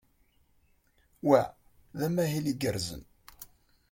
Wa d amahil igerrzen.